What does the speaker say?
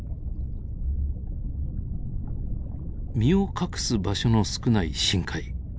身を隠す場所の少ない深海。